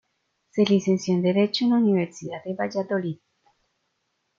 Se licenció en Derecho en la Universidad de Valladolid.